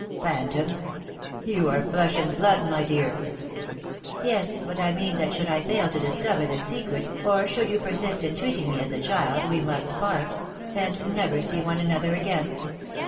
"Phantom! You are flesh and blood, my dear." "Yes; but I mean that should I fail to discover this secret, or should you persist in treating me as a child, we must part, and never see one another again.